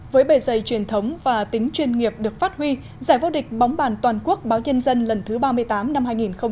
với bề dây truyền thống và tính chuyên nghiệp được phát huy giải vô địch bóng bàn toàn quốc báo nhân dân lần thứ ba mươi tám năm hai nghìn một mươi chín